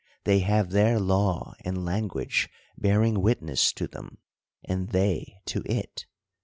They have their law and language bearing witness to them, and they to it.